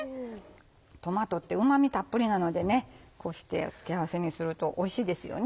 トマトってうま味たっぷりなのでこうして付け合わせにするとおいしいですよね。